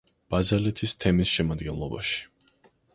ბაზალეთის თემის შემადგენლობაში.